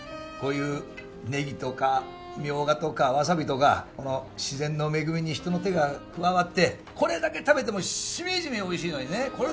こういうネギとかミョウガとかワサビとかこの自然の恵みに人の手が加わってこれだけ食べてもしみじみおいしいのにね。